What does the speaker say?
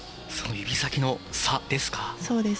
指先の差ですか。